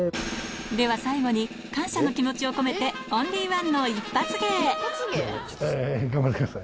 では最後に感謝の気持ちを込めてオンリー１の一発芸頑張ってください。